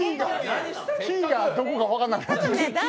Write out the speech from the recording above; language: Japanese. キーがどこか分からなくて。